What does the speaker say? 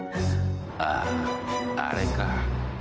あああれか。